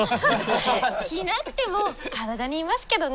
着なくても体にいますけどね。